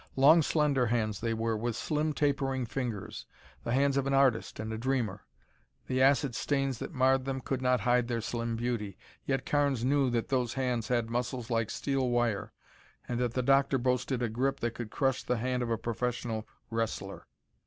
Long slender hands, they were, with slim tapering fingers the hands of an artist and a dreamer. The acid stains that marred them could not hide their slim beauty, yet Carnes knew that those hands had muscles like steel wire and that the doctor boasted a grip that could crush the hand of a professional wrestler.